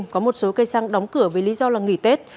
có một số cây xăng đóng cửa vì lý do là nghỉ tết